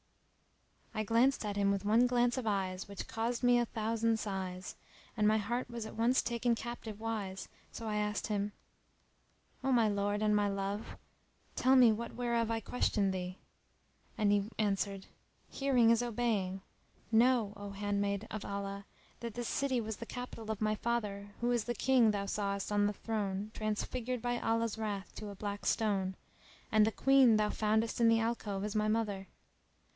[FN#318] I glanced at him with one glance of eyes which caused me a thousand sighs; and my heart was at once taken captive wise, so I asked him, "O my lord and my love, tell me that whereof I questioned thee;" and he answered, "Hearing is obeying! Know O handmaid of Allah, that this city was the capital of my father who is the King thou sawest on the throne transfigured by Allah's wrath to a black stone, and the Queen thou foundest in the alcove is my mother.